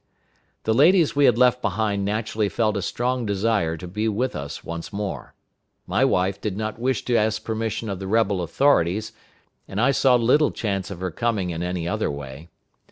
The ladies we had left behind naturally felt a strong desire to be with us once more. My wife did not wish to ask permission of the rebel authorities, and I saw little chance of her coming in any other way.